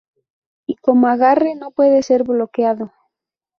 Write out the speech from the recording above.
Y como agarre, no puede ser bloqueado.